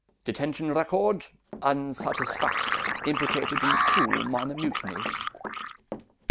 Detention record unsatisfactory. Implicated in two minor mutinies."